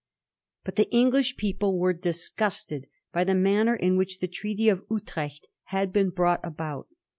But the English people were disgusted by the manner in which the Treaty of Utrecht had been brought about.